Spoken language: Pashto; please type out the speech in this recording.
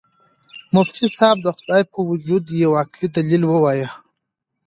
مفتي صاحب د خدای په وجود یو عقلي دلیل ووایه.